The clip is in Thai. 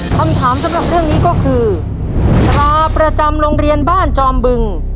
คำถามสำหรับเรื่องนี้ก็คือตราประจำโรงเรียนบ้านจอมบึง